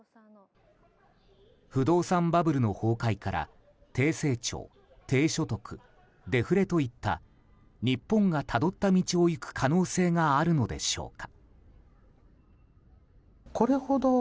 不動産バブルの崩壊から低成長、低所得、デフレといった日本がたどった道を行く可能性があるのでしょうか。